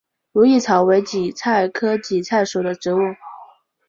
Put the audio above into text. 如意草为堇菜科堇菜属的植物。